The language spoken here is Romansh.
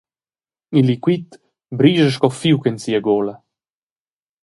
Il liquid brischa sco fiug en sia gula.